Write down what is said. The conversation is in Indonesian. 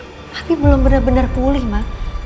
tapi belum bener bener pulih ma